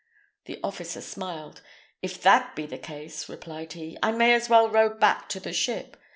The officer smiled. "If that be the case," replied he, "I may as well row back to the ship.